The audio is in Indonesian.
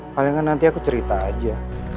palingan nanti aku cerita aja